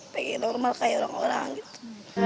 pengen normal kayak orang orang gitu